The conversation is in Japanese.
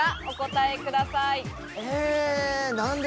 お答えください。